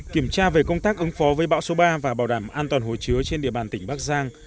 kiểm tra về công tác ứng phó với bão số ba và bảo đảm an toàn hồi chứa trên địa bàn tỉnh bắc giang